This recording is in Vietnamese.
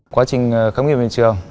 quá trình khám nghiệm hiện trường